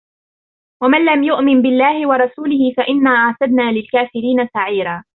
ومن لم يؤمن بالله ورسوله فإنا أعتدنا للكافرين سعيرا